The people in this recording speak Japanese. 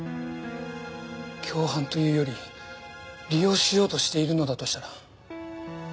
共犯というより利用しようとしているのだとしたら。